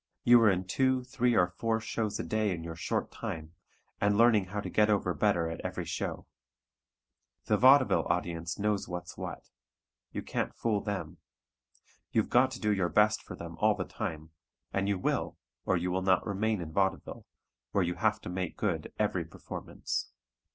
You are in two, three or four shows a day in your short time, and learning how to get over better at every show. The vaudeville audience knows what's what. You can't fool them. You've got to do your best for them all the time and you will, or you will not remain in vaudeville, where you have to "make good" every performance.